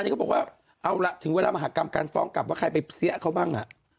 นี่เขาบอกว่าเอาล่ะถึงเวลามหากรรมการฟ้องกลับว่าใครไปเสียเขาบ้าง